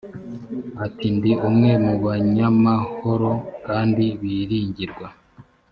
ati ndi umwe mu banyamahoro kandi biringirwa